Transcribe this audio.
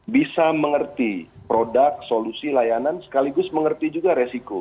bisa mengerti produk solusi layanan sekaligus mengerti juga resiko